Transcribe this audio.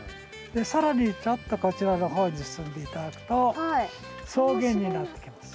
更にちょっとこちらの方に進んで頂くと草原になってきます。